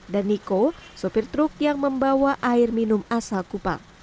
dan niko sopir truk yang membawa air minum asal kupang